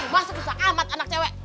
masuk masuk amat anak cewek